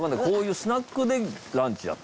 こういうスナックでランチ。